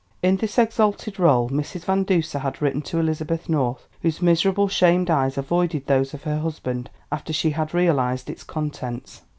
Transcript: In this exalted rôle Mrs. Van Duser had written to Elizabeth North, whose miserable, shamed eyes avoided those of her husband after she had realised its contents.